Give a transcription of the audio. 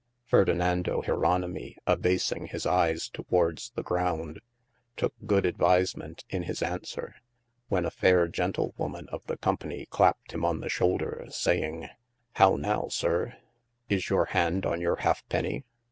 Ferdinando Jeronimi abasing his eyes towardes the ground, toke good advisement in his aunswere, when a fayre gentlewoman of the company clapped him on the shoulder, saying, how now sir, is your hand on your halfpeny